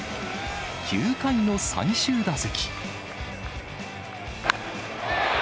９回の最終打席。